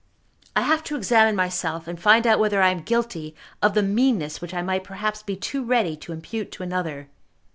"I have to examine myself, and find out whether I am guilty of the meanness which I might perhaps be too ready to impute to another.